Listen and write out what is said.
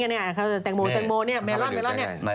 นี่แตงโมนี่แมลอนนี่